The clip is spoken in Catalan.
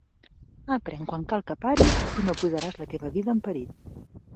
Aprèn quan cal que paris i no posaràs la teva vida en perill.